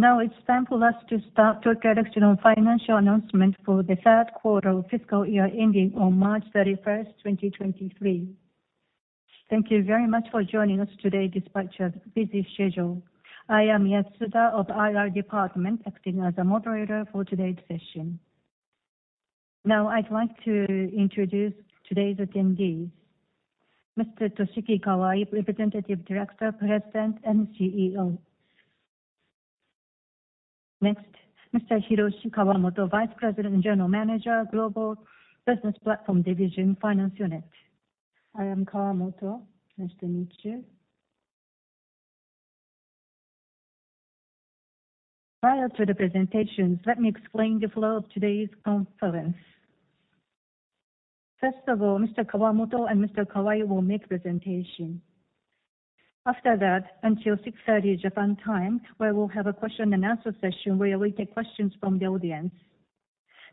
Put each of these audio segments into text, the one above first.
It's time for us to start the introduction of financial announcement for the third quarter of fiscal year ending on March 31st, 2023. Thank you very much for joining us today despite your busy schedule. I am Yasuda of IR Department, acting as a moderator for today's session. I'd like to introduce today's attendees. Mr. Toshiki Kawai, Representative Director, President, and CEO. Mr. Hiroshi Kawamoto, Vice President and General Manager, Global Business Platform Division, Finance Unit. I am Kawamoto. Nice to meet you. Prior to the presentations, let me explain the flow of today's conference. Mr. Kawamoto and Mr. Kawai will make presentation. After that, until 6:30 P.M. Japan time, we'll have a question-and-answer session where we take questions from the audience.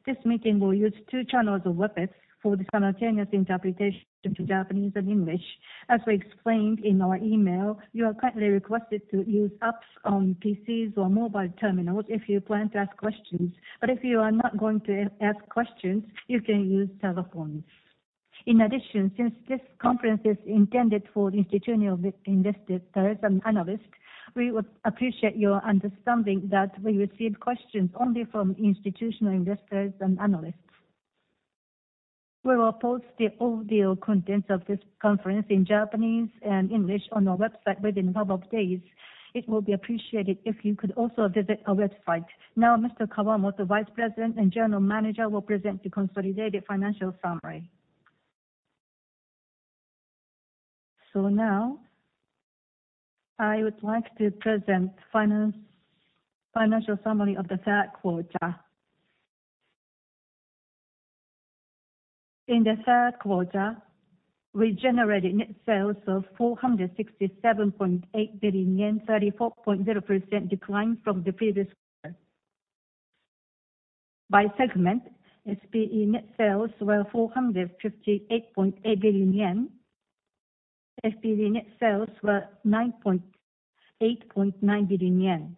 This meeting will use two channels of Webex for the simultaneous interpretation to Japanese and English. As we explained in our email, you are kindly requested to use apps on PCs or mobile terminals if you plan to ask questions. If you are not going to ask questions, you can use telephones. In addition, since this conference is intended for institutional investors and analysts, we would appreciate your understanding that we receive questions only from institutional investors and analysts. We will post the audio contents of this conference in Japanese and English on our website within couple of days. It will be appreciated if you could also visit our website. Now, Mr. Kawamoto, Vice President and General Manager, will present the consolidated financial summary. Now, I would like to present financial summary of the third quarter. In the third quarter, we generated net sales of 467.8 billion yen, 34.0% decline from the previous quarter. By segment, SPE net sales were 458.8 billion yen. FPD net sales were 8.9 billion yen.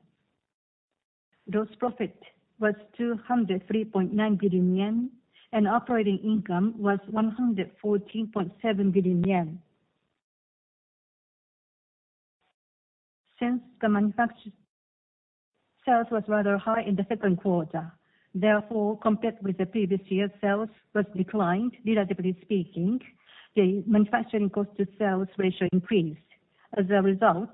Gross profit was 203.9 billion yen, and operating income was 114.7 billion yen. Since the manufacture sales was rather high in the second quarter, therefore, compared with the previous year, sales was declined relatively speaking, the manufacturing cost to sales ratio increased. As a result,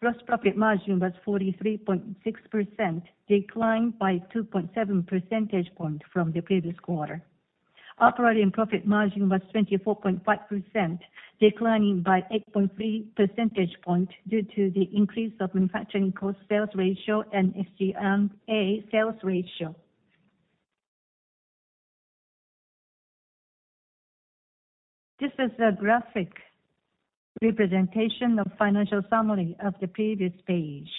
gross profit margin was 43.6%, declined by 2.7 percentage point from the previous quarter. Operating profit margin was 24.5%, declining by 8.3 percentage point due to the increase of manufacturing costs/sales ratio and SG&A/sales ratio. This is a graphic representation of financial summary of the previous page.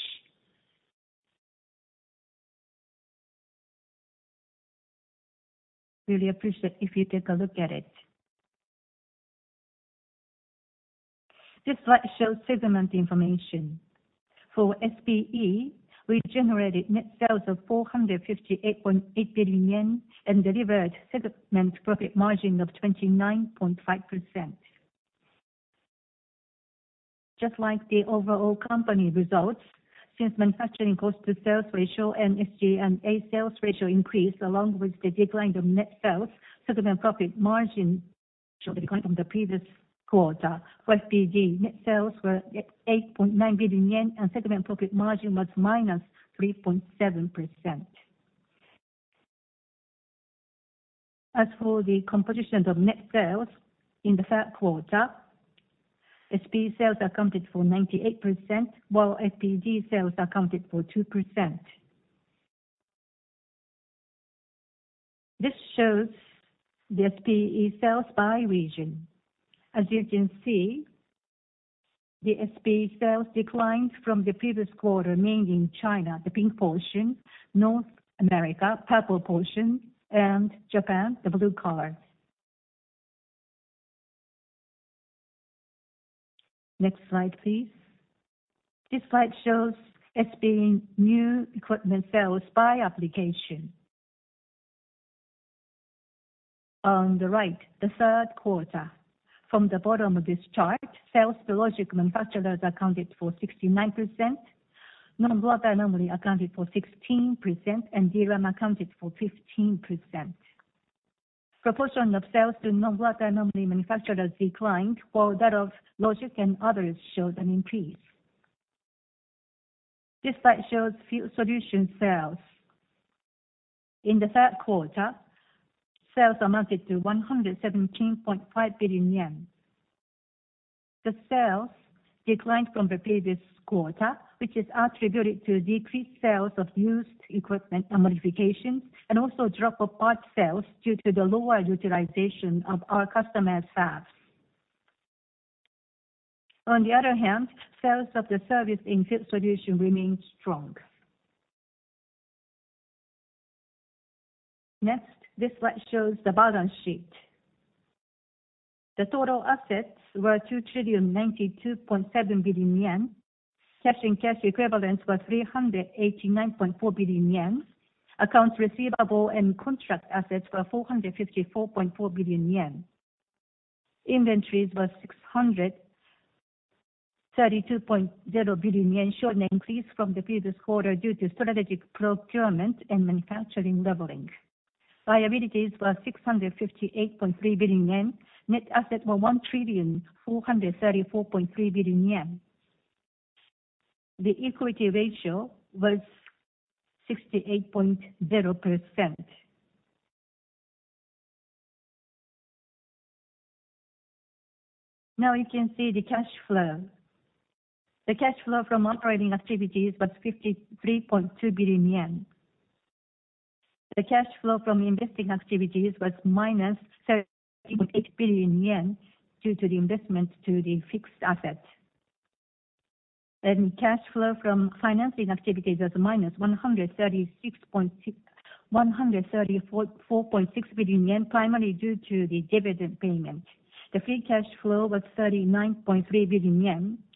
Really appreciate if you take a look at it. This slide shows segment information. For SPE, we generated net sales of 458.8 billion yen and delivered segment profit margin of 29.5%. Just like the overall company results, since manufacturing cost to sales ratio and SG&A to sales ratio increased along with the decline of net sales, segment profit margin showed decline from the previous quarter. For FPD, net sales were 8.9 billion yen and segment profit margin was -3.7%. As for the composition of net sales in the third quarter, SPE sales accounted for 98%, while FPD sales accounted for 2%. This shows the SPE sales by region. As you can see, the SPE sales declined from the previous quarter, mainly in China, the pink portion, North America, purple portion, and Japan, the blue color. Next slide, please. This slide shows SPE new equipment sales by application. On the right, the third quarter. From the bottom of this chart, sales to logic manufacturers accounted for 69%, Non-Volatile Memory accounted for 16%, and DRAM accounted for 15%. Proportion of sales to non-volatile memory manufacturers declined, while that of logic and others showed an increase. This slide shows field solution sales. In the third quarter, sales amounted to 117.5 billion yen. The sales declined from the previous quarter, which is attributed to decreased sales of used equipment and modifications, and also drop of parts sales due to the lower utilization of our customers' fabs. On the other hand, sales of the service in field solution remained strong. Next, this slide shows the balance sheet. The total assets were 2,092.7 billion yen. Cash and cash equivalents was 389.4 billion yen. Accounts receivable and contract assets were 454.4 billion yen. Inventories was 632.0 billion yen, showing an increase from the previous quarter due to strategic procurement and manufacturing leveling. Liabilities were 658.3 billion yen. Net assets were 1.4343 trillion. The equity ratio was 68.0%. You can see the cash flow. The cash flow from operating activities was 53.2 billion yen. The cash flow from investing activities was -13.8 billion yen due to the investment to the fixed asset. Cash flow from financing activities was -134.6 billion yen, primarily due to the dividend payment. The free cash flow was 39.3 billion yen. This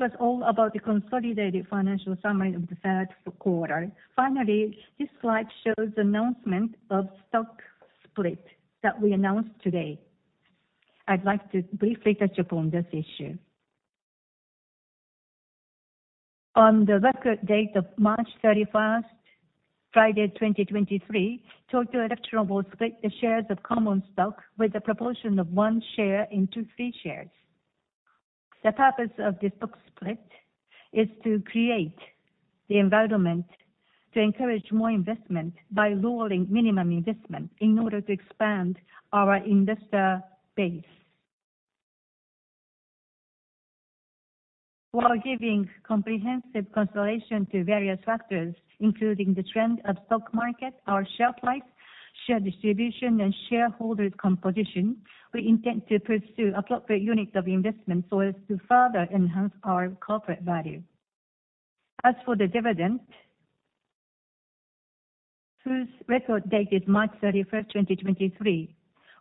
was all about the consolidated financial summary of the third quarter. Finally, this slide shows announcement of stock split that we announced today. I'd like to briefly touch upon this issue. On the record date of March 31st, 2023, Friday, Tokyo Electron will split the shares of common stock with a proportion of one share into three shares. The purpose of this stock split is to create the environment to encourage more investment by lowering minimum investment in order to expand our investor base. While giving comprehensive consideration to various factors, including the trend of stock market, our share price, share distribution, and shareholder composition, we intend to pursue appropriate units of investment so as to further enhance our corporate value. As for the dividend, whose record dated March 31st, 2023,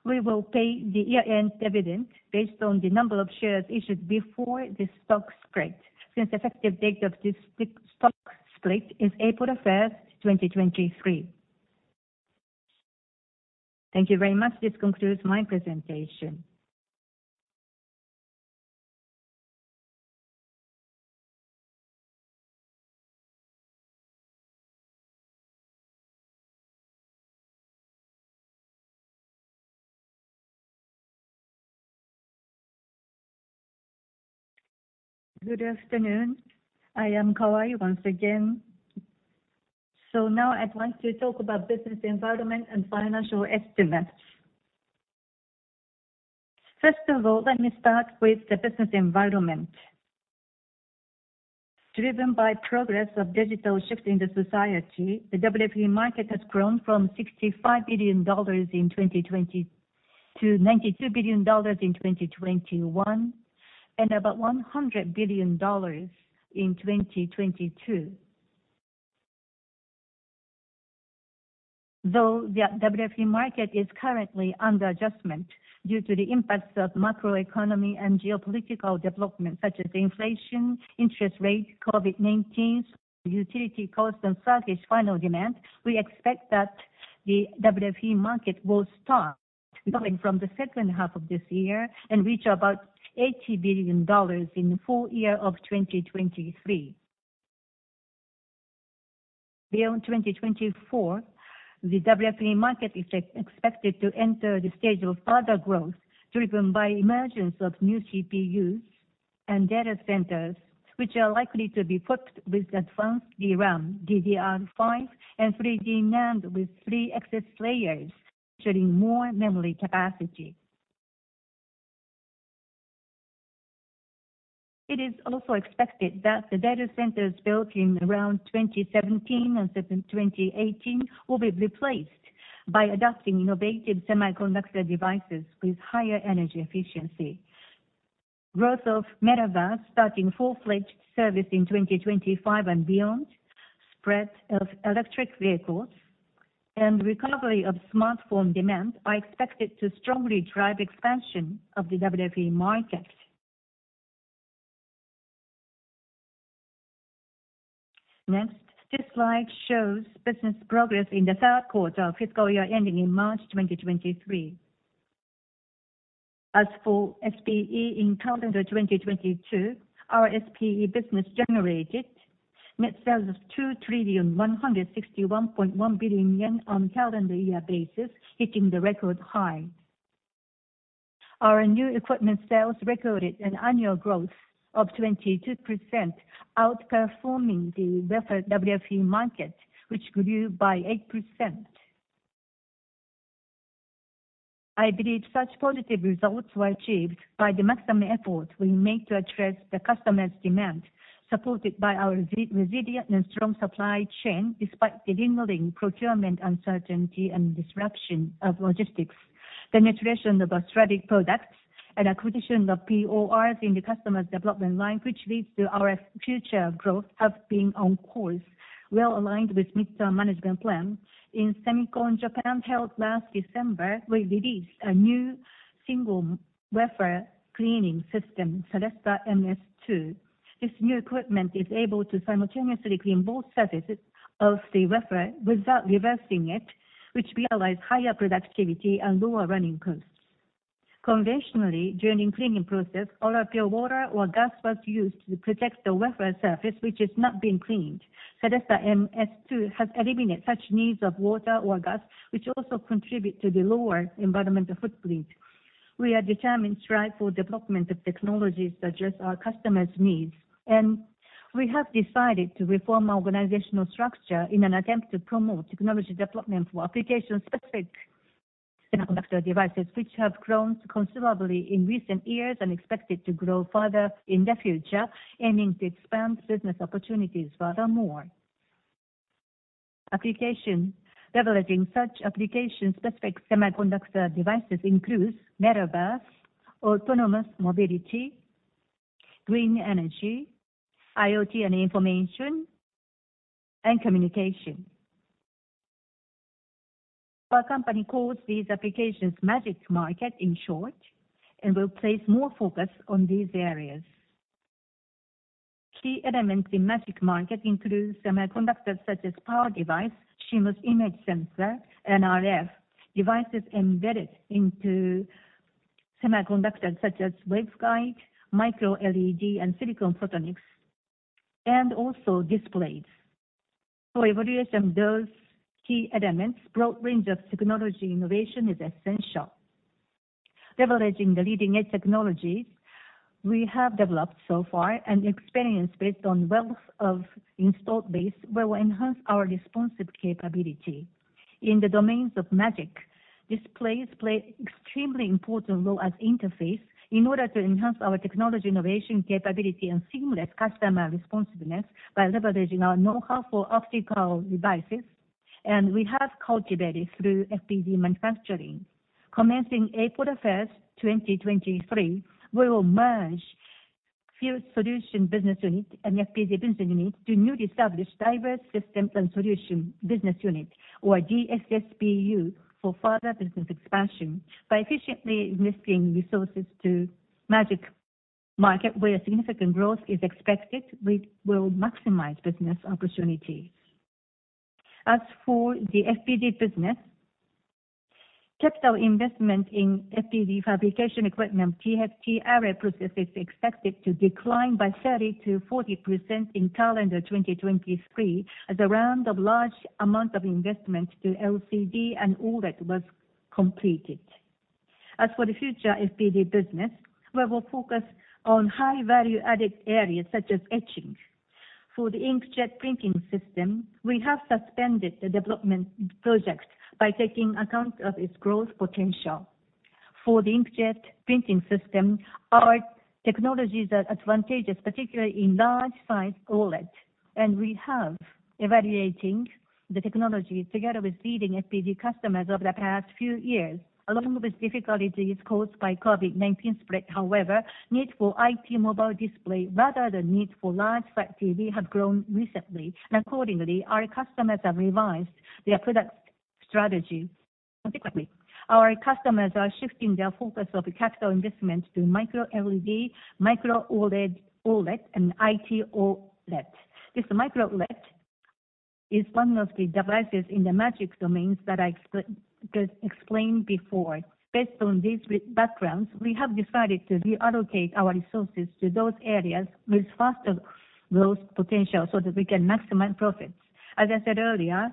we will pay the year-end dividend based on the number of shares issued before the stock split, since effective date of this stock split is April 1st, 2023. Thank you very much. This concludes my presentation. Good afternoon. I am Kawai once again. Now I'd like to talk about business environment and financial estimates. First of all, let me start with the business environment. Driven by progress of digital shift in the society, the WFE market has grown from $65 billion in 2020 to $92 billion in 2021, and about $100 billion in 2022. Though the WFE market is currently under adjustment due to the impacts of macroeconomy and geopolitical developments such as inflation, interest rate, COVID-19, utility cost, and sluggish final demand, we expect that the WFE market will start recovering from the second half of this year and reach about $80 billion in the full year of 2023. Beyond 2024, the WFE market is expected to enter the stage of further growth, driven by emergence of new CPUs and data centers, which are likely to be equipped with advanced DRAM, DDR5, and 3D NAND with 3xx layers, ensuring more memory capacity. It is also expected that the data centers built in around 2017 and 2018 will be replaced by adopting innovative semiconductor devices with higher energy efficiency. Growth of metaverse starting full-fledged service in 2025 and beyond, spread of electric vehicles, and recovery of smartphone demand are expected to strongly drive expansion of the WFE market. This slide shows business progress in the third quarter of fiscal year ending in March 2023. As for SPE in calendar 2022, our SPE business generated net sales of 2.1611 trillion on calendar year basis, hitting the record high. Our new equipment sales recorded an annual growth of 22%, outperforming the WFE market, which grew by 8%. I believe such positive results were achieved by the maximum effort we made to address the customers' demand, supported by our resilient and strong supply chain, despite the lingering procurement uncertainty and disruption of logistics. Penetration of our strategic products and acquisition of PORs in the customer's development line, which leads to our future growth, have been on course, well aligned with mid-term management plan. In SEMICON Japan, held last December, we released a new single-wafer cleaning system, CELLESTA MS2. This new equipment is able to simultaneously clean both surfaces of the wafer without reversing it, which realize higher productivity and lower running costs. Conventionally, during cleaning process, ultra-pure water or gas was used to protect the wafer surface, which is not being cleaned. CELLESTA MS2 has eliminated such needs of water or gas, which also contribute to the lower environmental footprint. We are determined to strive for development of technologies that address our customers' needs, and we have decided to reform organizational structure in an attempt to promote technology development for application-specific semiconductor devices, which have grown considerably in recent years and expected to grow further in the future, aiming to expand business opportunities furthermore. Application. Leveraging such application-specific semiconductor devices includes Metaverse, Autonomous Mobility, Green Energy, IoT and Information and Communication. Our company calls these applications MAGIC market, in short, and will place more focus on these areas. Key elements in MAGIC market includes semiconductors such as power device, CMOS image sensor, and RF, devices embedded into semiconductors such as waveguide, micro LED, and silicon photonics, and also displays. For evaluation those key elements, broad range of technology innovation is essential. Leveraging the leading-edge technologies we have developed so far and experience based on wealth of installed base will enhance our responsive capability. In the domains of MAGIC, displays play extremely important role as interface in order to enhance our technology innovation capability and seamless customer responsiveness by leveraging our know-how for optical devices, and we have cultivated through FPD manufacturing. Commencing April 1, 2023, we will merge Field Solution Business Unit and FPD Business Unit to newly established Diverse Systems and Solutions Business Unit, or DSS BU, for further business expansion. By efficiently investing resources to MAGIC market, where significant growth is expected, we will maximize business opportunities. As for the FPD business, capital investment in FPD fabrication equipment, TFT array process, is expected to decline by 30%-40% in calendar 2023 as a round of large amount of investment to LCD and OLED was completed. As for the future FPD business, we will focus on high-value-added areas such as etching. For the inkjet printing system, we have suspended the development project by taking account of its growth potential. For the inkjet printing system, our technologies are advantageous, particularly in large size OLED, and we have evaluating the technology together with leading FPD customers over the past few years. Along with difficulties caused by COVID-19 spread, however, need for IT mobile display rather than need for large flat TV have grown recently, and accordingly, our customers have revised their product strategy. Consequently, our customers are shifting their focus of capital investment to micro LED, micro OLED, and IT OLED. This micro OLED is one of the devices in the MAGIC domains that I explained before. Based on these backgrounds, we have decided to reallocate our resources to those areas with faster growth potential so that we can maximize profits. As I said earlier,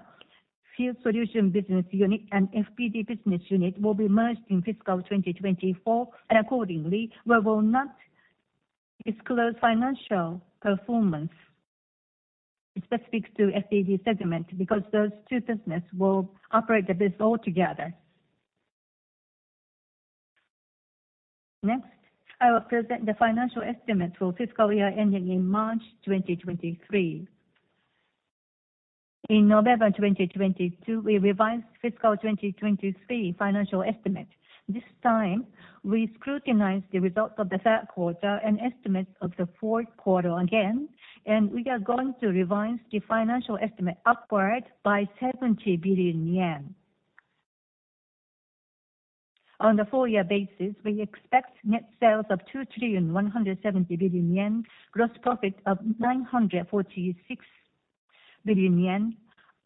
Field Solution Business Unit and FPD Business Unit will be merged in fiscal 2024, and accordingly, we will not disclose financial performance specific to FPD segment because those two business will operate the biz all together. Next, I will present the financial estimates for fiscal year ending in March 2023. In November 2022, we revised fiscal 2023 financial estimate. This time, we scrutinized the results of the third quarter and estimates of the fourth quarter again, and we are going to revise the financial estimate upward by 70 billion yen. On the full-year basis, we expect net sales of 2.170 trillion, gross profit of 946 billion yen,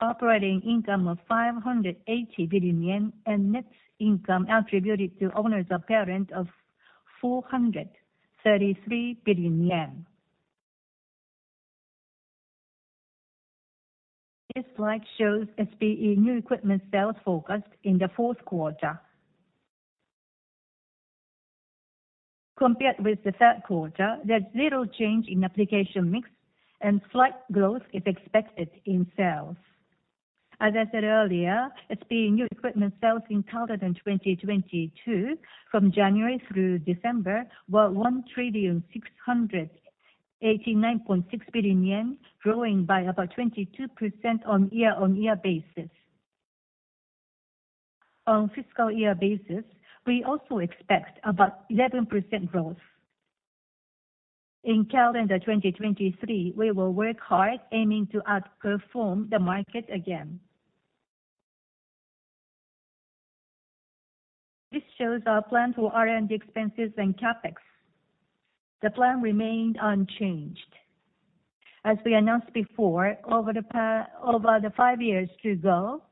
operating income of 580 billion yen, and net income attributed to owners of parent of 433 billion yen. This slide shows SPE new equipment sales forecast in the fourth quarter. Compared with the third quarter, there's little change in application mix and slight growth is expected in sales. As I said earlier, SPE new equipment sales in calendar 2022, from January through December, were JPY 1.6896 trillion, growing by about 22% on a year-on-year basis. On a fiscal-year basis, we also expect about 11% growth. In calendar 2023, we will work hard aiming to outperform the market again. This shows our plan for R&D expenses and CapEx. The plan remained unchanged. As we announced before, over the five years to go,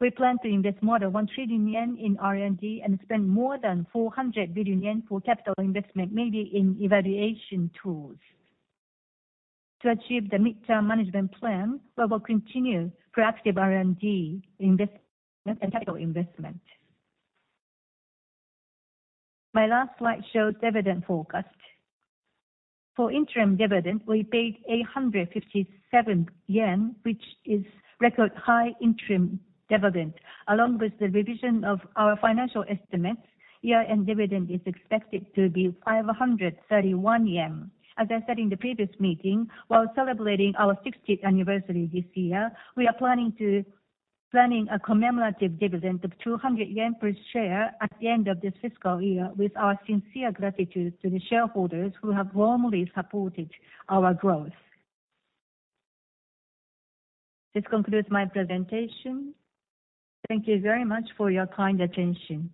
we plan to invest more than 1 trillion yen in R&D and spend more than 400 billion yen for capital investment, mainly in evaluation tools. To achieve the midterm management plan, we will continue proactive R&D investment. My last slide shows dividend forecast. For interim dividend, we paid 857 yen, which is record high interim dividend. Along with the revision of our financial estimates, year-end dividend is expected to be 531 yen. As I said in the previous meeting, while celebrating our 60th anniversary this year, we are planning a commemorative dividend of 200 yen per share at the end of this fiscal year with our sincere gratitude to the shareholders who have warmly supported our growth. This concludes my presentation. Thank you very much for your kind attention.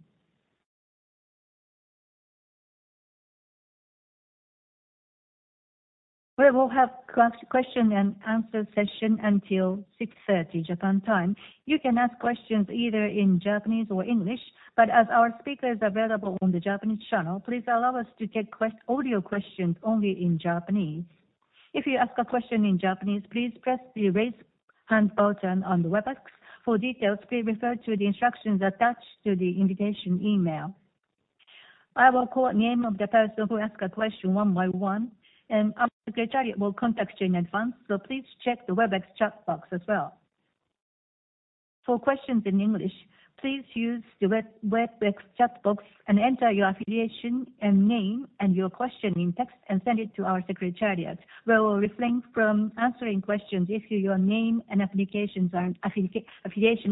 We will have question-and-answer session until 6:30 P.M. Japan time. You can ask questions either in Japanese or English, as our speaker is available on the Japanese channel, please allow us to take all your questions only in Japanese. If you ask a question in Japanese, please press the raise hand button on the Webex. For details, please refer to the instructions attached to the invitation email. I will call name of the person who ask a question one by one, our secretariat will contact you in advance, please check the Webex chat box as well. For questions in English, please use the Webex chat box and enter your affiliation and name and your question in text and send it to our secretariat. We will refrain from answering questions if your name and affiliation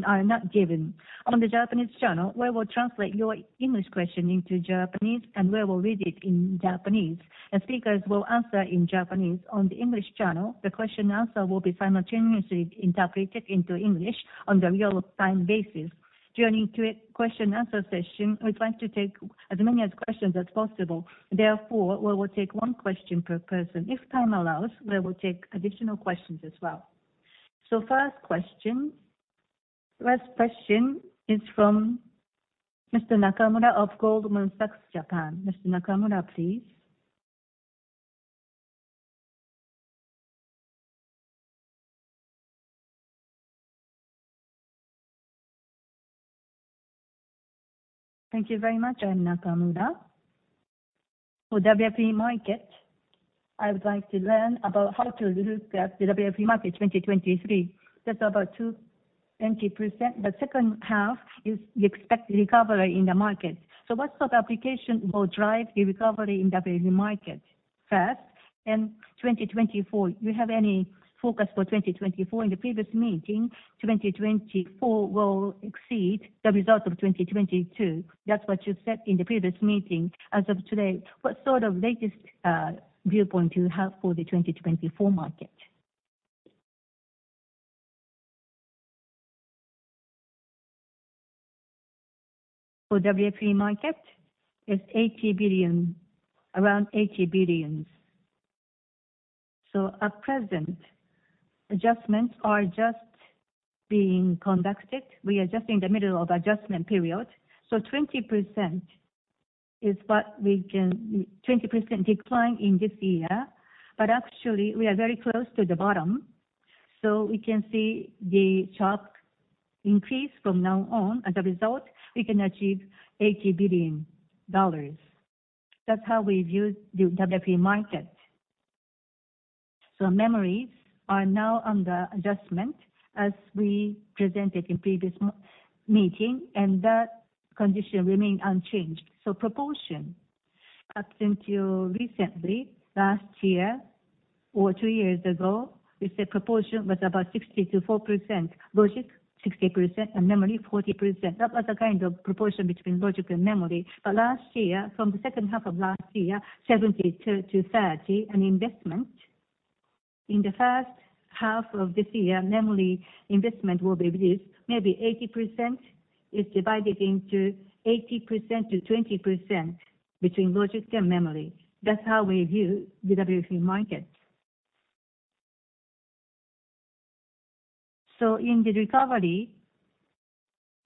are not given. On the Japanese channel, we will translate your English question into Japanese, and we will read it in Japanese, and speakers will answer in Japanese. On the English channel, the question answer will be simultaneously interpreted into English on the real time basis. During question-and-answer session, we'd like to take as many questions as possible. Therefore, we will take one question per person. If time allows, we will take additional questions as well. First question. First question is from Mr. Nakamura of Goldman Sachs Japan. Mr. Nakamura, please. Thank you very much. I'm Nakamura. For WFE market, I would like to learn about how to look at the WFE market 2023. That's about 20%. The second half is the expected recovery in the market. What sort of application will drive the recovery in WFE market first? In 2024, you have any forecast for 2024? In the previous meeting, 2024 will exceed the results of 2022. That's what you said in the previous meeting. As of today, what sort of latest viewpoint do you have for the 2024 market? For WFE market is $80 billion, around $80 billion. At present, adjustments are just being conducted. We are just in the middle of adjustment period, 20% decline in this year. Actually, we are very close to the bottom, so we can see the sharp increase from now on. As a result, we can achieve $80 billion. That's how we view the WFE market. Memories are now under adjustment, as we presented in previous meeting, and that condition remain unchanged. Proportion, up until recently, last year or two years ago, we said proportion was about 60% to 4%. Logic 60% and memory 40%. That was the kind of proportion between logic and memory. Last year, from the second half of last year, 70% to 30% in investment. In the first half of this year, memory investment will be reduced. Maybe 80% is divided into 80% to 20% between logic and memory. That's how we view the WFE market. In the recovery,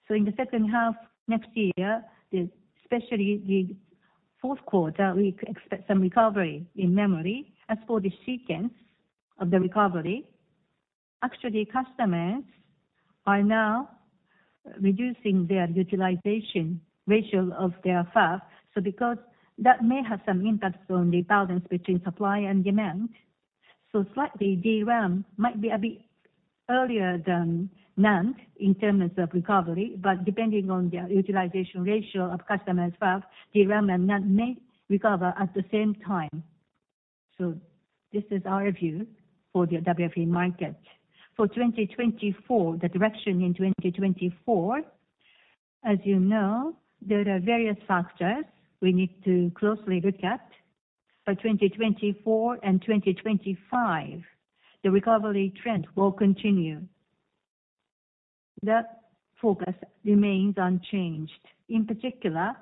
in the second half next year, especially the fourth quarter, we could expect some recovery in memory. As for the sequence of the recovery, actually customers are now reducing their utilization ratio of their fab. Because that may have some impact on the balance between supply and demand. Slightly DRAM might be a bit earlier than NAND in terms of recovery, but depending on the utilization ratio of customers as well, DRAM and NAND may recover at the same time. This is our view for the WFE market. For 2024, the direction in 2024, as you know, there are various factors we need to closely look at. In 2024 and 2025, the recovery trend will continue. That focus remains unchanged. In particular,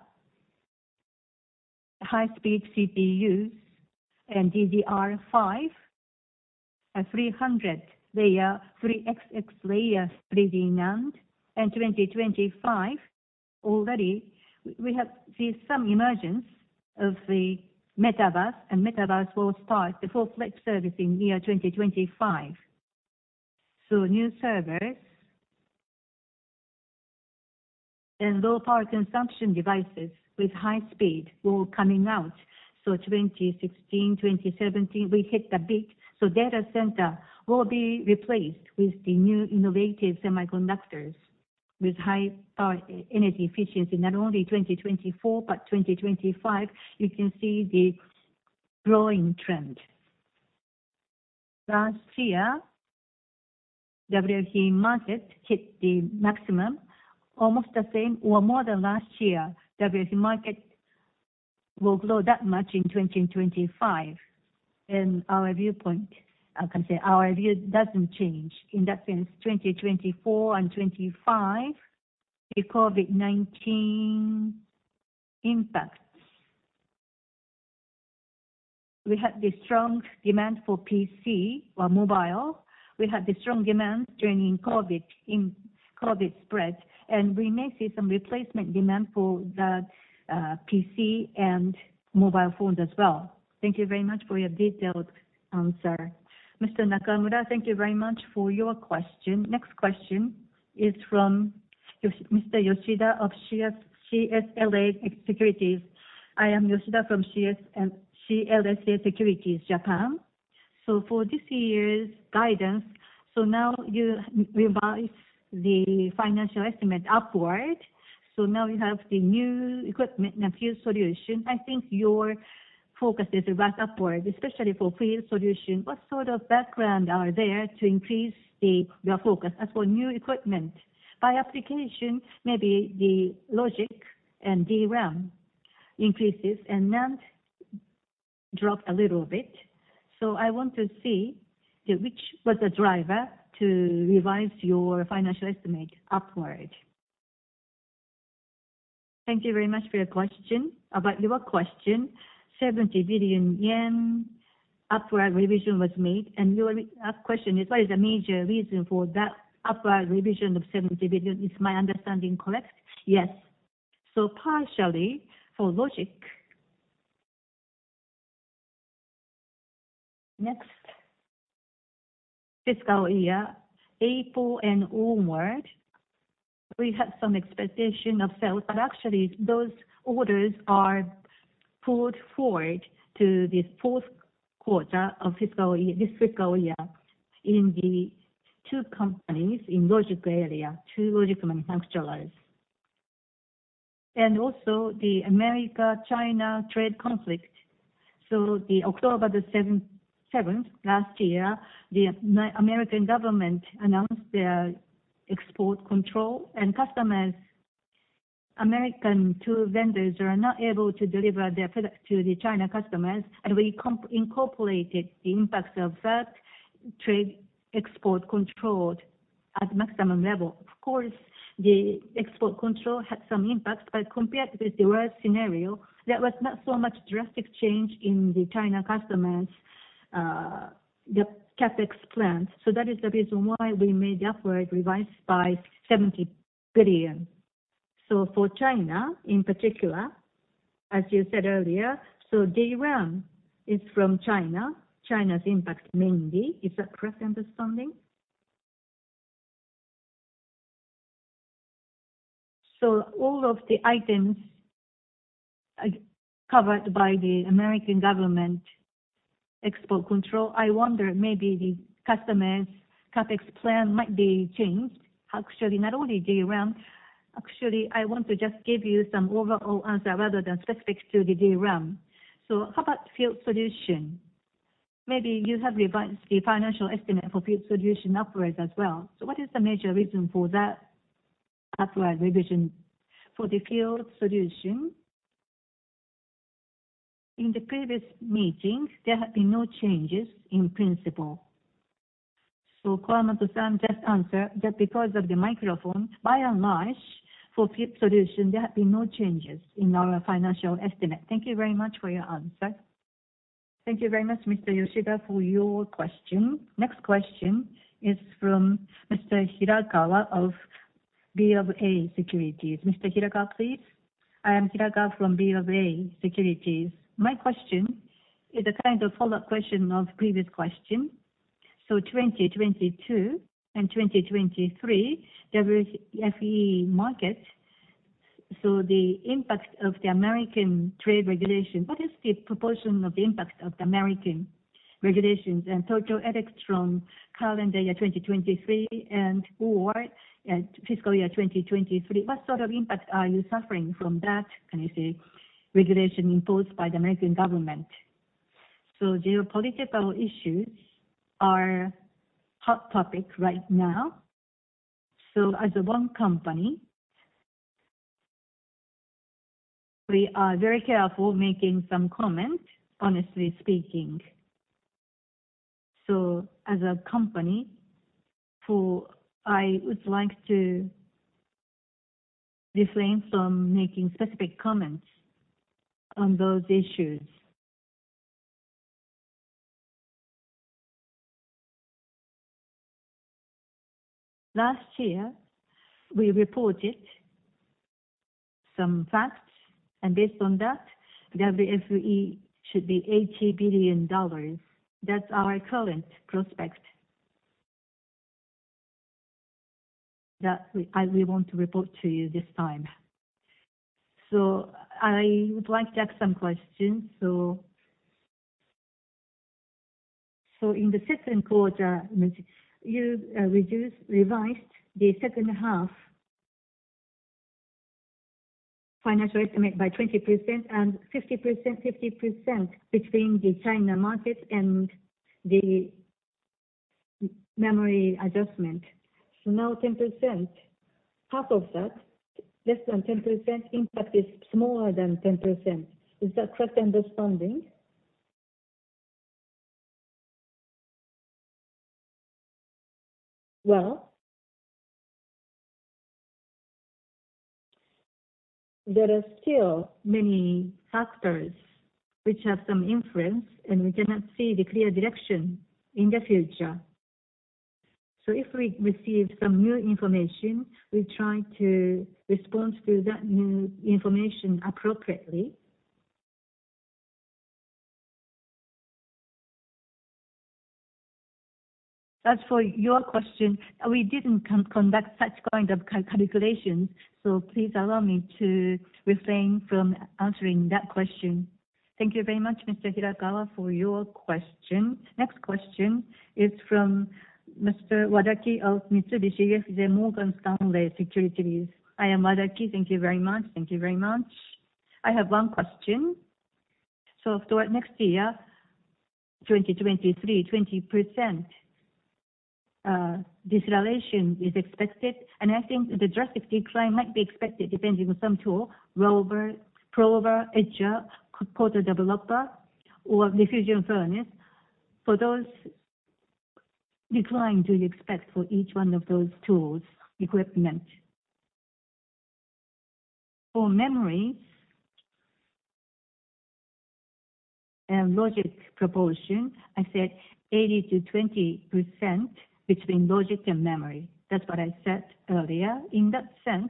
high speed CPUs and DDR5 are 300-layer, 3xx-layer 3D NAND. 2025 already we have seen some emergence of the metaverse, and metaverse will start the full-fledged service in year 2025. New servers and low power consumption devices with high speed will coming out. In 2016, 2017, we hit the peak. Data center will be replaced with the new innovative semiconductors with high target energy efficiency, not only 2024, but 2025, you can see the growing trend. Last year, WFE market hit the maximum, almost the same or more than last year. WFE market will grow that much in 2025. In our viewpoint, I can say our view doesn't change. In that sense, 2024 and 2025, the COVID-19 impacts. We had the strong demand for PC or mobile. We had the strong demand during COVID, in COVID spread, and we may see some replacement demand for the PC and mobile phones as well. Thank you very much for your detailed answer. Mr. Nakamura, thank you very much for your question. Next question is from Mr. Yoshida of CLSA Securities. I am Yoshida from CLSA Securities, Japan. For this year's guidance, now you revised the financial estimate upward. Now you have the new equipment and Field Solution. I think your focus is right upward, especially for Field Solution. What sort of background are there to increase the focus? As for new equipment, by application, maybe the logic and DRAM increases and NAND dropped a little bit. I want to see which was the driver to revise your financial estimate upward. Thank you very much for your question. About your question, 70 billion yen upward revision was made, and your question is what is the major reason for that upward revision of 70 billion? Is my understanding correct? Yes. Partially for logic. Next fiscal year, April and onward, we have some expectation of sales, but actually those orders are pulled forward to the fourth quarter of this fiscal year in the two companies in logic area, two logic manufacturers. Also the America-China trade conflict. The October 7th last year, the American government announced their export control and customers, American tool vendors were not able to deliver their products to the China customers. We incorporated the impacts of that trade export controlled at maximum level. Of course, the export control had some impact, but compared with the worst scenario, there was not so much drastic change in the China customers, the CapEx plans. That is the reason why we made the upward revise by 70 billion. For China in particular, as you said earlier, DRAM is from China's impact mainly. Is that correct understanding? All of the items are covered by the American government export control. I wonder maybe the customer's CapEx plan might be changed. Actually, not only DRAM. Actually, I want to just give you some overall answer rather than specifics to the DRAM. How about Field Solution? Maybe you have revised the financial estimate for Field Solution upwards as well. What is the major reason for that upward revision? For the Field Solution, in the previous meeting, there have been no changes in principle. Kawamoto-san just answer that because of the microphone. By and large, for Field Solution, there have been no changes in our financial estimate. Thank you very much for your answer. Thank you very much, Mr. Yoshida, for your question. Next question is from Mr. Hirakawa of BofA Securities. Mr. Hirakawa, please. I am Hirakawa from BofA Securities. My question is a kind of follow-up question of previous question. For 2022 and 2023, WFE market, the impact of the American trade regulation, what is the proportion of the impact of the American regulations and total edicts from calendar year 2023 and or fiscal year 2023? What sort of impact are you suffering from that, can you say, regulation imposed by the American government? Geopolitical issues are hot topic right now. As one company, we are very careful making some comment, honestly speaking. As a company, I would like to refrain from making specific comments on those issues. Last year, we reported some facts, and based on that, the WFE should be $80 billion. That's our current prospect. That we want to report to you this time. I would like to ask some questions. In the 2Q, you reduced, revised the second half financial estimate by 20% and 50%, 50% between the China market and the memory adjustment. Now 10%, half of that, less than 10% impact is smaller than 10%. Is that correct understanding? Well, there are still many factors which have some influence, and we cannot see the clear direction in the future. If we receive some new information, we try to respond to that new information appropriately. As for your question, we didn't conduct such kind of calculations, please allow me to refrain from answering that question. Thank you very much, Mr. Hirakawa, for your question. Next question is from Mr. Wadaki of Mitsubishi UFJ Morgan Stanley Securities. I am Wadaki. Thank you very much. Thank you very much. I have one question. Toward next year, 2023, 20% deceleration is expected, and I think the drastic decline might be expected depending on some tool, prober, edger, coater/developer or diffusion furnace. For those decline do you expect for each one of those tools, equipment? For memory and logic proportion, I said 80% to 20% between logic and memory. That's what I said earlier. In that sense,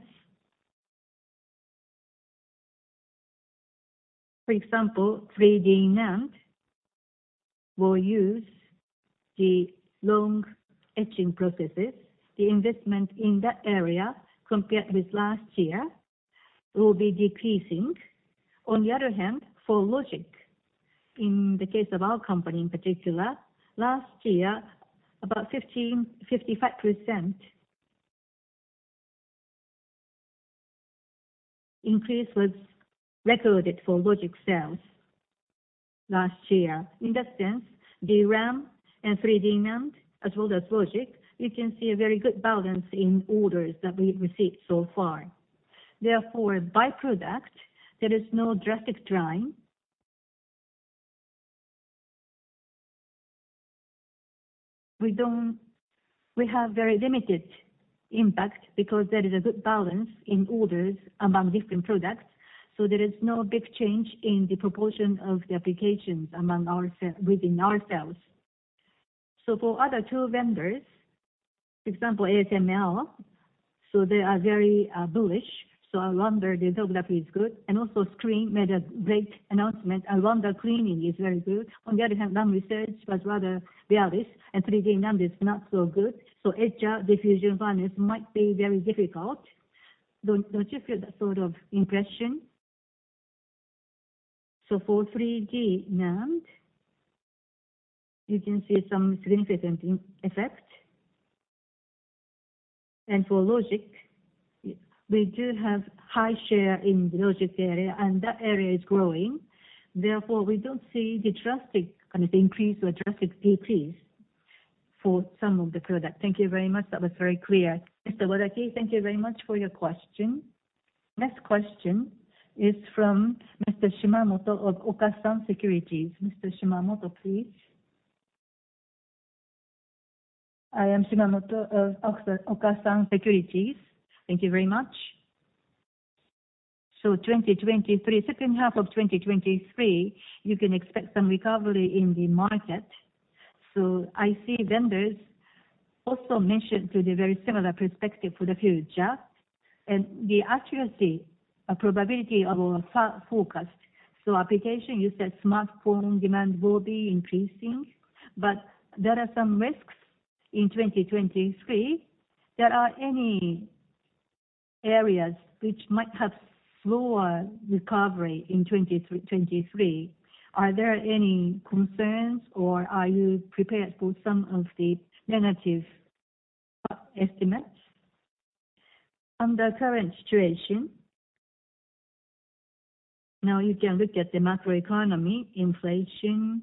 for example, 3D NAND will use the long etching processes. The investment in that area compared with last year will be decreasing. On the other hand, for logic, in the case of our company in particular, last year, about 55% increase was recorded for logic sales last year. In that sense, DRAM and 3D NAND as well as logic, we can see a very good balance in orders that we received so far. Therefore, by product, there is no drastic decline. We have very limited impact because there is a good balance in orders among different products, there is no big change in the proportion of the applications within ourselves. For other tool vendors, for example, ASML, they are very bullish. I wonder the topography is good and also SCREEN made a great announcement around that cleaning is very good. On the other hand, Lam Research was rather bearish and 3D NAND is not so good. Etcher diffusion furnace might be very difficult. Don't you feel that sort of impression? For 3D NAND, you can see some significant effect. For logic, we do have high share in the logic area, and that area is growing. Therefore, we don't see the drastic kind of increase or drastic decrease for some of the product. Thank you very much. That was very clear. Mr. Wadaki, thank you very much for your question. Next question is from Mr. Shimamoto of Okasan Securities. Mr. Shimamoto, please. I am Shimamoto of Okasan Securities. Thank you very much. Second half of 2023, you can expect some recovery in the market. I see vendors also mentioned to the very similar perspective for the future and the accuracy, a probability of our forecast. Application, you said smartphone demand will be increasing, but there are some risks. In 2023, there are any areas which might have slower recovery in 2023. Are there any concerns or are you prepared for some of the negative estimates? Under current situation, now you can look at the macroeconomy, inflation,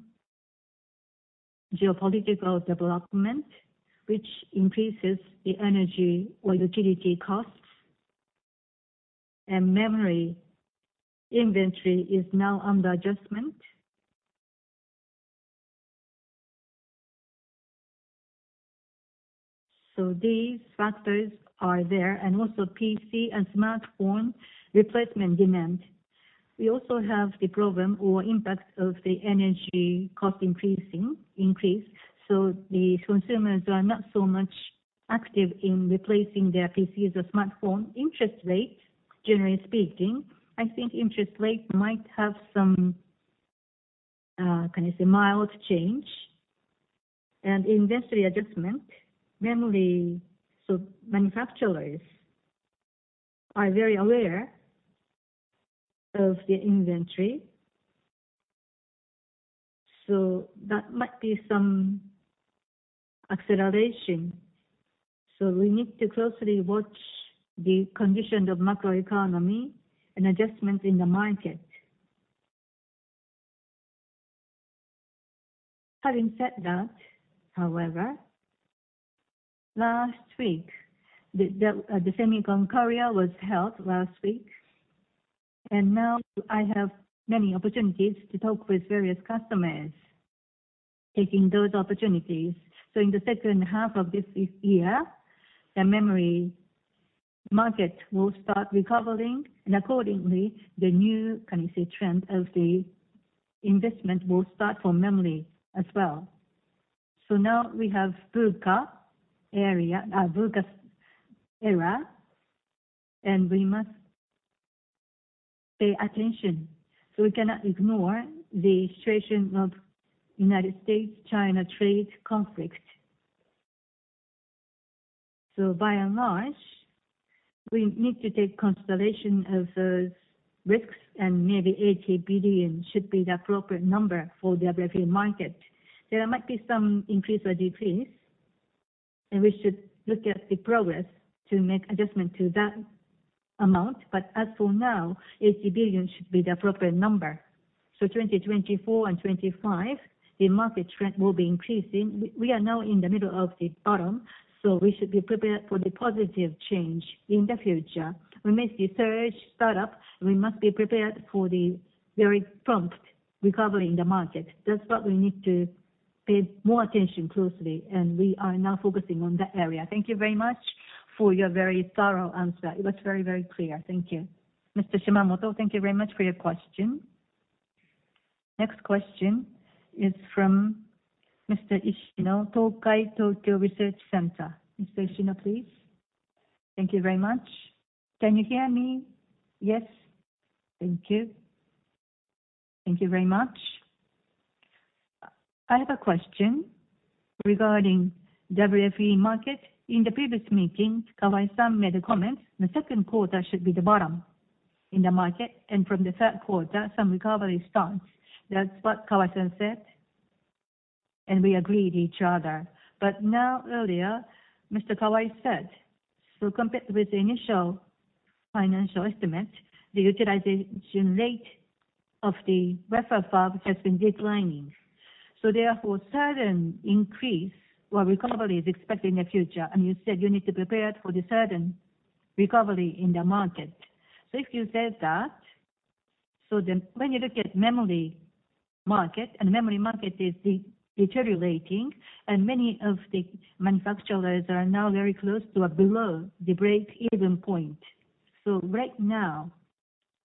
geopolitical development, which increases the energy or utility costs, and memory inventory is now under adjustment. These factors are there, and also PC and smartphone replacement demand. We also have the problem or impact of the energy cost increasing, so the consumers are not so much active in replacing their PCs or smartphone. Interest rates, generally speaking, I think interest rates might have some, can you say mild change? Industry adjustment, memory, so manufacturers are very aware of the inventory. That might be some acceleration. We need to closely watch the conditions of macroeconomy and adjustments in the market. Having said that, however, last week, the SEMI was held last week. Now I have many opportunities to talk with various customers, taking those opportunities. In the second half of this year, the memory market will start recovering, and accordingly, the new, can you say, trend of the investment will start for memory as well. Now we have inaudible area, inaudible era, and we must pay attention. We cannot ignore the situation of United States-China trade conflict. By and large, we need to take consideration of those risks, and maybe $80 billion should be the appropriate number for WFE market. There might be some increase or decrease, and we should look at the progress to make adjustment to that amount. As for now, $80 billion should be the appropriate number. For 2024 and 2025, the market trend will be increasing. We are now in the middle of the bottom, so we should be prepared for the positive change in the future. We miss the surge startup. We must be prepared for the very prompt recovery in the market. That's what we need to pay more attention closely, and we are now focusing on that area. Thank you very much for your very thorough answer. It was very, very clear. Thank you. Mr. Shimamoto, thank you very much for your question. Next question is from Mr. Ishino, Tokai Tokyo Research Center. Mr. Ishino, please. Thank you very much. Can you hear me? Yes? Thank you. Thank you very much. I have a question regarding WFE market. In the previous meeting, Kawai-san made a comment, the second quarter should be the bottom in the market, and from the third quarter, some recovery starts. That's what Kawai-san said, and we agreed each other. Now earlier, Mr. Kawai said, compare with the initial financial estimate, the utilization rate of the wafer fab has been declining. Therefore, certain increase or recovery is expected in the future, and you said you need to prepare for the certain recovery in the market. If you said that, when you look at memory market, and memory market is deteriorating, and many of the manufacturers are now very close to or below the break-even point. Right now,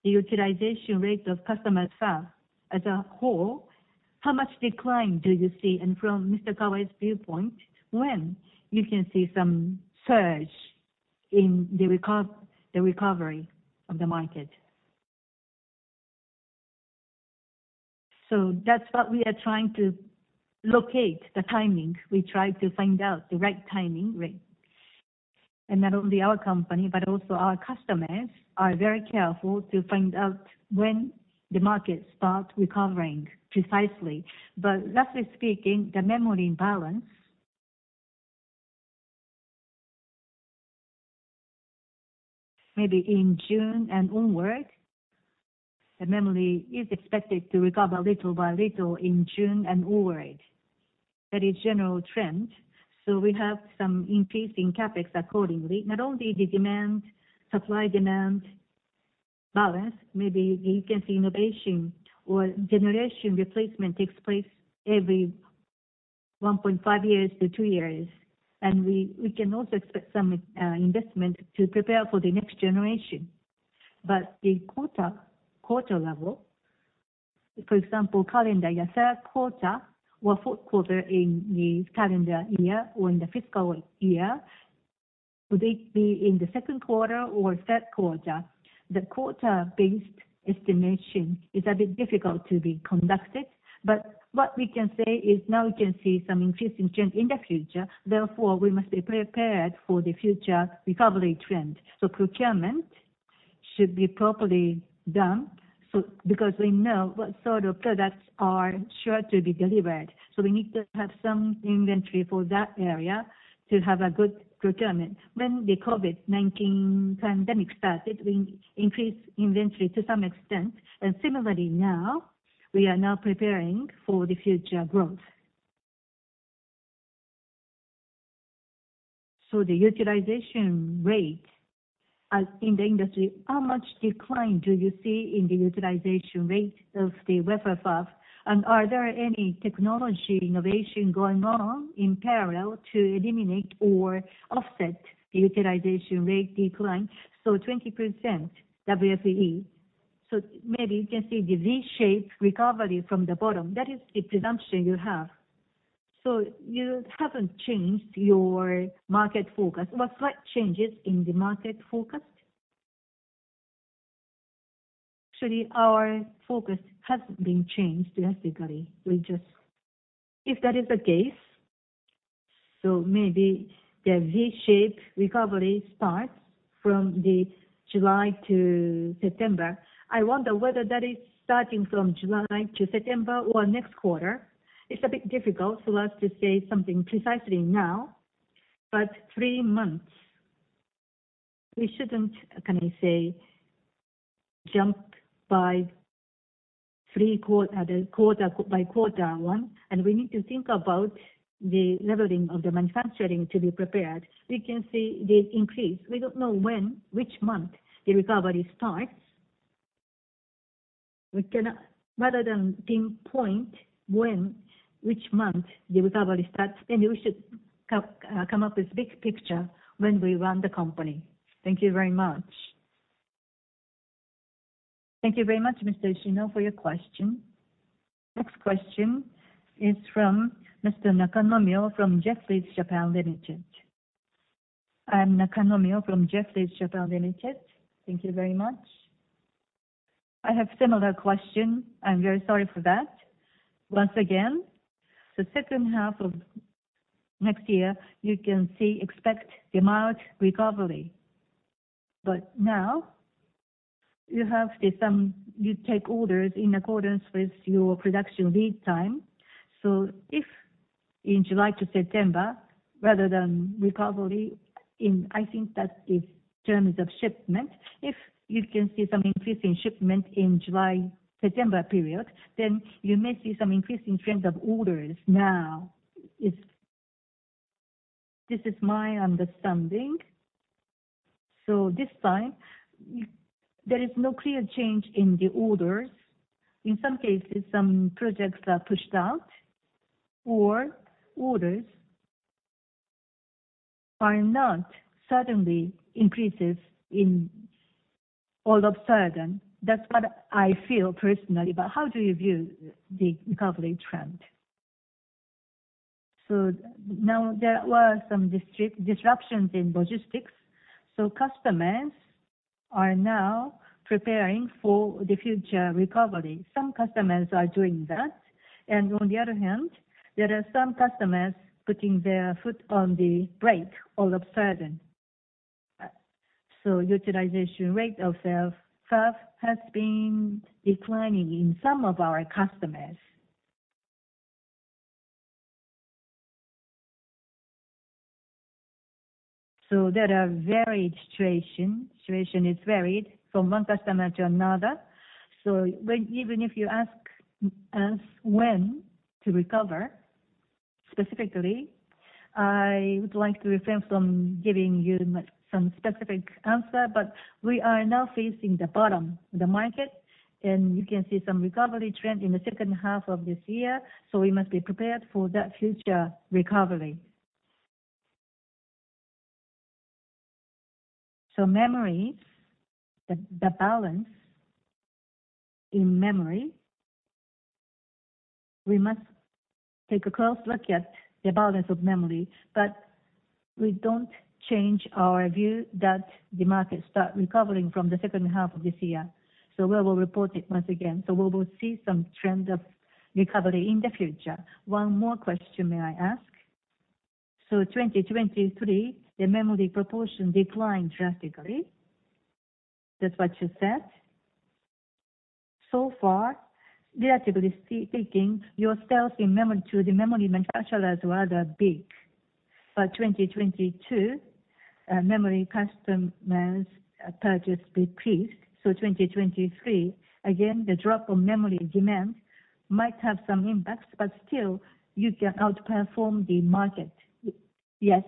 the utilization rate of customers fab as a whole, how much decline do you see? From Mr. Kawai's viewpoint, when you can see some surge in the recovery of the market? That's what we are trying to locate the timing. We try to find out the right timing, right? Not only our company, but also our customers are very careful to find out when the market starts recovering precisely. Roughly speaking, the memory balance maybe in June and onward, the memory is expected to recover little by little in June and onward. That is general trend. We have some increase in CapEx accordingly. Not only the demand, supply demand balance, maybe you can see innovation or generation replacement takes place every 1.5 years-2 years. We can also expect some investment to prepare for the next generation but the quarter level, for example, calendar, your third quarter or fourth quarter in the calendar year or in the fiscal year. Would it be in the second quarter or third quarter? The quarter based estimation is a bit difficult to be conducted, but what we can say is now we can see some increasing trend in the future, therefore, we must be prepared for the future recovery trend. Procurement should be properly done so because we know what sort of products are sure to be delivered. We need to have some inventory for that area to have a good procurement. When the COVID-19 pandemic started, we increased inventory to some extent, and similarly now, we are now preparing for the future growth. The utilization rate in the industry, how much decline do you see in the utilization rate of the wafer fab? Are there any technology innovation going on in parallel to eliminate or offset the utilization rate decline? Twenty percent WFE, maybe you can see the V-shaped recovery from the bottom. That is the presumption you have. You haven't changed your market focus. What slight changes in the market focus? Actually, our focus hasn't been changed drastically. If that is the case, maybe the V-shape recovery starts from the July to September. I wonder whether that is starting from July to September or next quarter. It's a bit difficult for us to say something precisely now, but three months we shouldn't, can I say, jump by three quarters, the quarter by quarter one, and we need to think about the leveling of the manufacturing to be prepared. We can see the increase. We don't know when, which month, the recovery starts. Rather than pinpoint when, which month the recovery starts, we should come up with big picture when we run the company. Thank you very much. Thank you very much, Mr. Ishino, for your question. Next question is from Mr. Nakanomyo from Jefferies Japan Limited. I'm Nakanomyo from Jefferies Japan Limited. Thank you very much. I have similar question. I'm very sorry for that. Once again, the second half of next year, you can see expect demand recovery. Now you take orders in accordance with your production lead time. If in July to September, rather than recovery, I think that is terms of shipment. If you can see some increase in shipment in July to September period, then you may see some increase in trends of orders now. This is my understanding. This time, there is no clear change in the orders. In some cases, some projects are pushed out or orders are not suddenly increases in all of a sudden. That's what I feel personally, but how do you view the recovery trend? Now there were some disruptions in logistics, so customers are now preparing for the future recovery. Some customers are doing that. On the other hand, there are some customers putting their foot on the brake all of sudden. Utilization rate of self has been declining in some of our customers. There are varied situation. Situation is varied from one customer to another. Even if you ask us when to recover specifically, I would like to refrain from giving you some specific answer. We are now facing the bottom, the market, and you can see some recovery trend in the second half of this year, so we must be prepared for that future recovery. Memory, the balance in memory, we must take a close look at the balance of memory, but we don't change our view that the market start recovering from the second half of this year. We will report it once again. We will see some trend of recovery in the future. One more question may I ask? 2023, the memory proportion declined drastically. That's what you said. So far, relatively speaking, your sales in memory to the memory manufacturers were the big. For 2022, memory customers purchase decreased. For 2023, again, the drop of memory demand might have some impacts, but still you can outperform the market. Yes.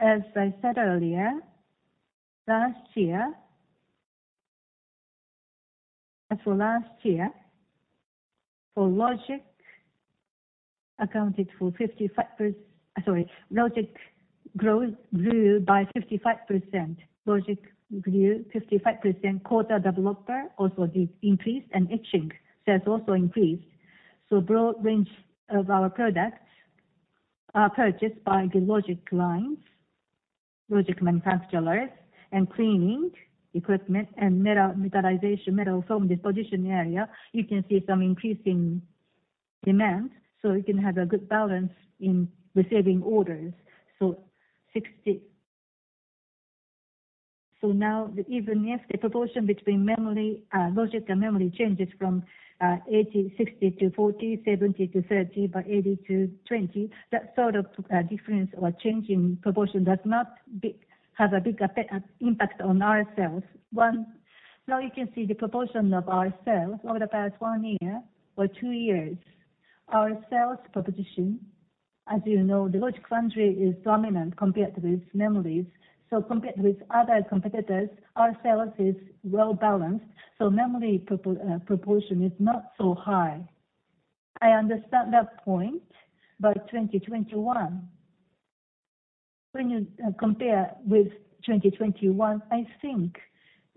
As I said earlier, last year. As for last year, for logic accounted for 55% sorry, logic growth grew by 55%. Logic grew 55%. Coater/developer also increased, and etching sales also increased. Broad range of our products are purchased by the logic lines, logic manufacturers and cleaning equipment and metallization, metal film deposition area. You can see some increasing demand, so you can have a good balance in receiving orders. Now even if the proportion between memory, logic and memory changes from 60% to 40%, 70% to 30%, but 80% to 20%, that sort of difference or change in proportion does not have a big effect, impact on ourselves. One, now you can see the proportion of our sales over the past one year or two years. Our sales proposition, as you know, the logic country is dominant compared with memories. Compared with other competitors, our sales is well balanced, so memory proportion is not so high. I understand that point. 2021, when you compare with 2021, I think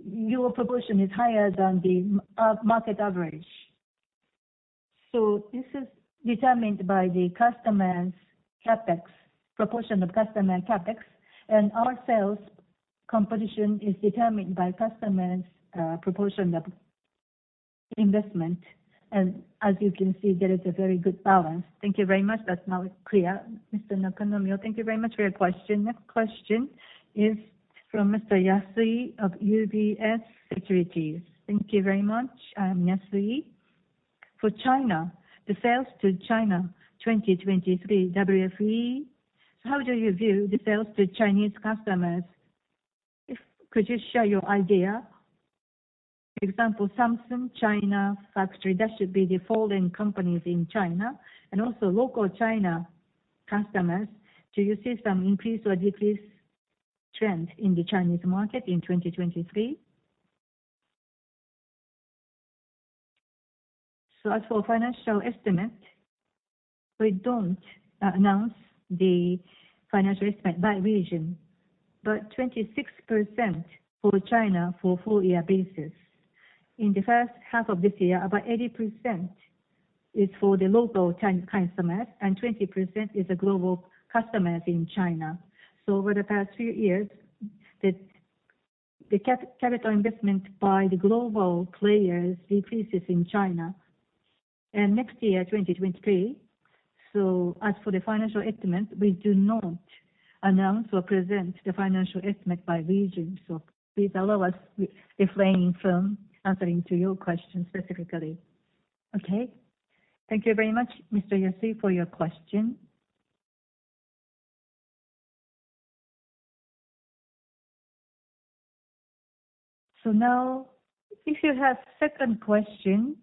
your proportion is higher than the market average. This is determined by the customer's CapEx, proportion of customer CapEx. Our sales competition is determined by customers, proportion of investment. As you can see, there is a very good balance. Thank you very much. That's now clear. Mr. Nakanomyo, thank you very much for your question. Next question is from Mr. Yasui of UBS Securities. Thank you very much. I am Yasui. For China, the sales to China 2023 WFE, how do you view the sales to Chinese customers? Could you share your idea? For example, Samsung China factory, that should be the foreign companies in China and also local China customers. Do you see some increase or decrease trend in the Chinese market in 2023? As for financial estimate, we don't announce the financial estimate by region, but 26% for China for full year basis. In the first half of this year, about 80% is for the local Chinese customers and 20% is a global customers in China. Over the past few years, the capital investment by the global players decreases in China. Next year, 2023, as for the financial estimate, we do not announce or present the financial estimate by region. Please allow us refraining from answering to your question specifically. Okay. Thank you very much, Mr. Yasui, for your question. Now, if you have second question,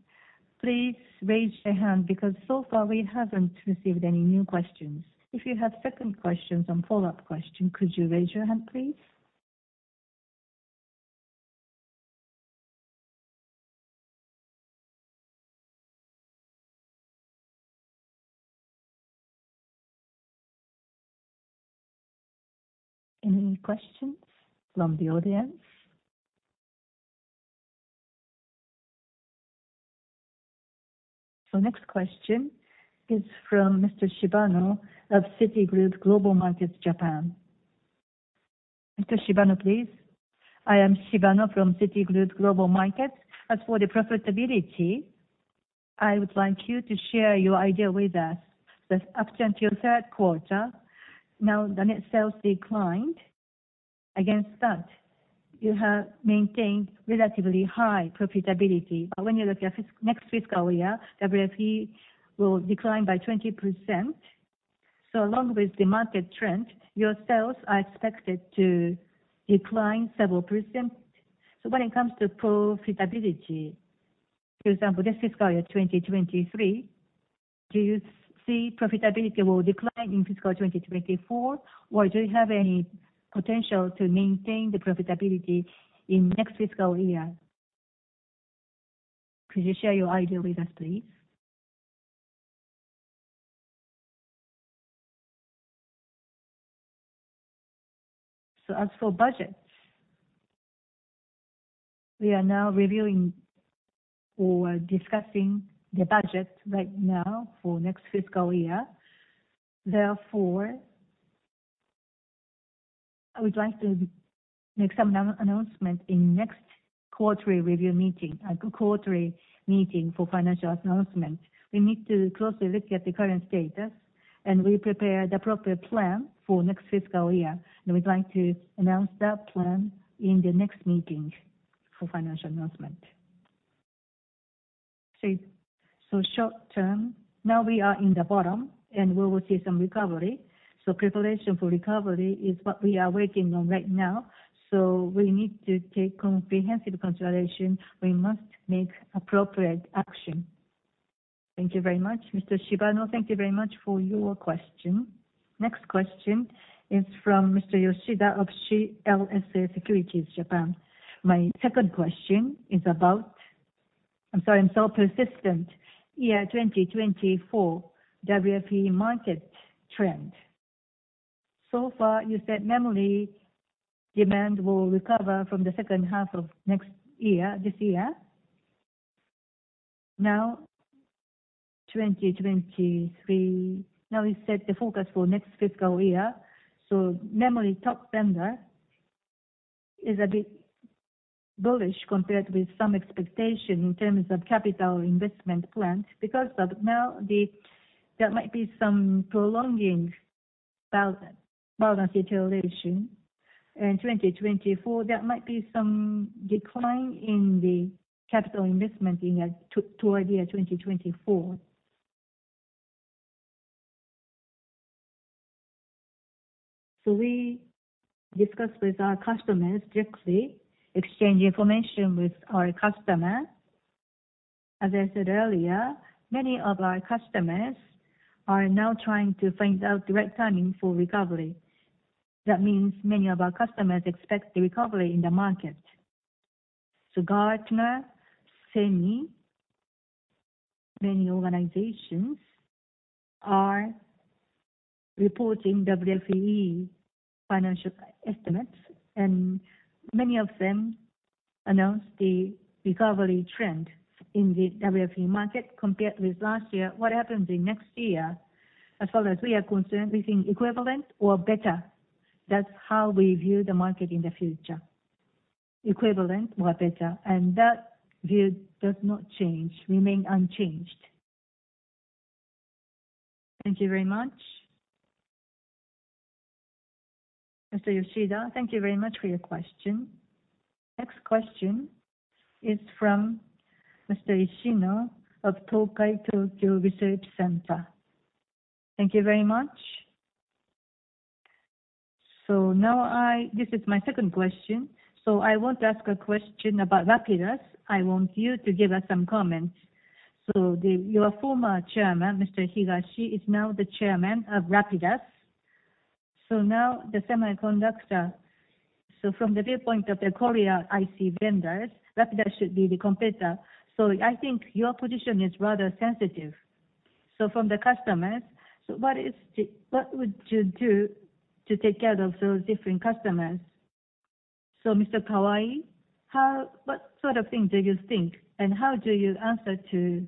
please raise your hand because so far we haven't received any new questions. If you have second questions and follow-up question, could you raise your hand, please? Any questions from the audience? Next question is from Mr. Shibano of Citigroup Global Markets Japan. Mr. Shibano, please. I am Shibano from Citigroup Global Markets. As for the profitability, I would like you to share your idea with us. Up until third quarter, now the net sales declined. Against that, you have maintained relatively high profitability. When you look at next fiscal year, WFE will decline by 20%. Along with the market trend, your sales are expected to decline several percent. When it comes to profitability, for example, this fiscal year 2023, do you see profitability will decline in fiscal 2024? Do you have any potential to maintain the profitability in next fiscal year? Could you share your idea with us, please? As for budgets, we are now reviewing or discussing the budget right now for next fiscal year. Therefore, I would like to make some announcement in next quarterly review meeting, quarterly meeting for financial announcement. We need to closely look at the current status, and we prepare the appropriate plan for next fiscal year. We'd like to announce that plan in the next meeting for financial announcement. Short-term, now we are in the bottom, and we will see some recovery. Preparation for recovery is what we are working on right now. We need to take comprehensive consideration. We must make appropriate action. Thank you very much. Mr. Shibano, thank you very much for your question. Next question is from Mr. Yoshida of CLSA Securities Japan. My second question is about, I'm sorry, I'm so persistent. Yeah, 2024 WFE market trend. So far, you said memory demand will recover from the second half of next year, this year. Now 2023. You set the focus for next fiscal year. Memory top vendor is a bit bullish compared with some expectation in terms of capital investment plans because of there might be some prolonging balance utilization. In 2024, there might be some decline in the capital investment toward year 2024. We discuss with our customers directly, exchange information with our customer. As I said earlier, many of our customers are now trying to find out the right timing for recovery. That means many of our customers expect the recovery in the market. Gartner, SEMI, many organizations are reporting WFE financial estimates, and many of them announce the recovery trend in the WFE market compared with last year. What happens in next year, as far as we are concerned, we think equivalent or better. That's how we view the market in the future, equivalent or better. That view does not change, remain unchanged. Thank you very much. Mr. Yoshida, thank you very much for your question. Next question is from Mr. Ishino of Tokai Tokyo Research Institute. Thank you very much. This is my second question. I want to ask a question about Rapidus. I want you to give us some comments. Your former chairman, Mr. Higashi, is now the chairman of Rapidus. Now the semiconductor, from the viewpoint of the Korea IC vendors, Rapidus should be the competitor. I think your position is rather sensitive. From the customers, what would you do to take care of those different customers? Mr. Kawai, how, what sort of thing do you think, how do you answer to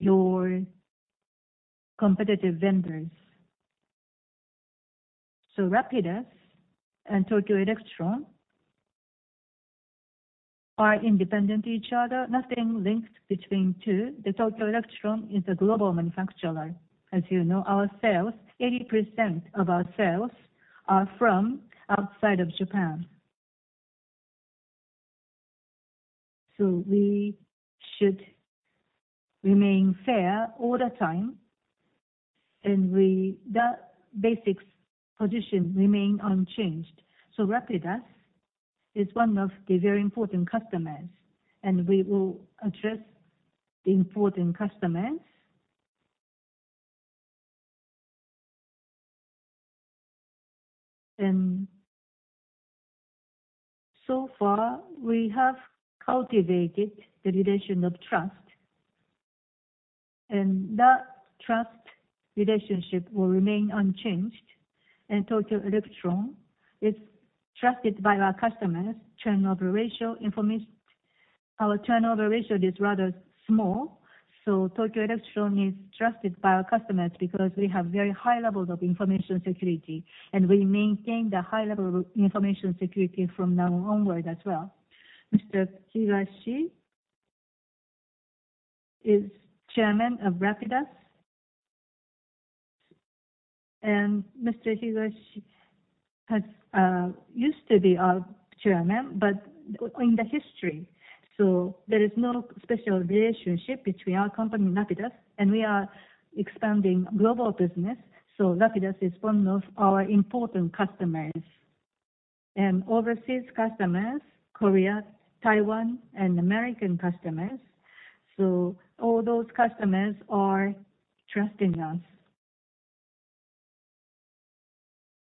your competitive vendors? Rapidus and Tokyo Electron are independent of each other, nothing linked between two. The Tokyo Electron is a global manufacturer. As you know, our sales, 80% of our sales are from outside of Japan. We should remain fair all the time, and that basic position remains unchanged. Rapidus is one of the very important customers, and we will address the important customers. So far we have cultivated the relation of trust, and that trust relationship will remain unchanged. Tokyo Electron is trusted by our customers. Turnover ratio for us, our turnover ratio is rather small. Tokyo Electron is trusted by our customers because we have very high levels of information security, and we maintain the high level of information security from now onward as well. Mr. Higashi is chairman of Rapidus. Mr. Higashi has used to be our chairman in the history. There is no special relationship between our company and Rapidus. We are expanding global business. Rapidus is one of our important customers and overseas customers, Korea, Taiwan, and American customers. All those customers are trusting us.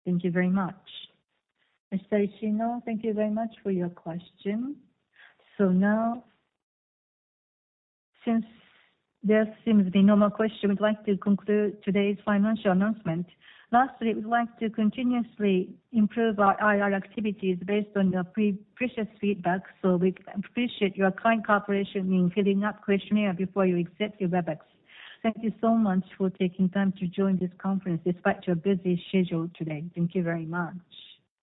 Thank you very much. Mr. Ishino, thank you very much for your question. Now since there seems to be no more question, we'd like to conclude today's financial announcement. Lastly, we'd like to continuously improve our IR activities based on your precious feedback. We appreciate your kind cooperation in filling out questionnaire before you accept your Webex. Thank you so much for taking time to join this conference despite your busy schedule today. Thank you very much.